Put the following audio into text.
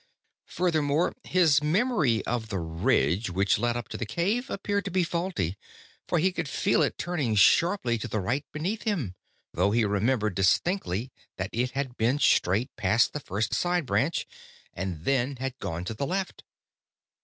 Furthermore, his memory of the ridge which led up to the cave appeared to be faulty, for he could feel it turning sharply to the right beneath him, though he remembered distinctly that it had been straight past the first side branch, and then had gone to the left.